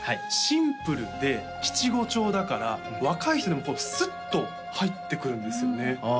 シンプルで七五調だから若い人でもスッと入ってくるんですよね